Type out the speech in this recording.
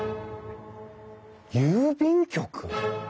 郵便局！？